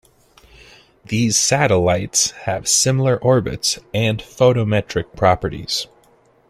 These satellites have similar orbits and photometric properties.